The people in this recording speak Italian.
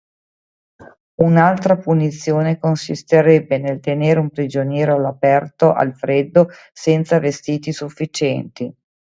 Un'altra punizione consisterebbe nel tenere un prigioniero all'aperto al freddo senza vestiti sufficienti.